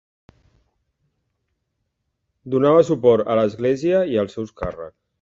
Donava suport a l'església i als seus càrrecs.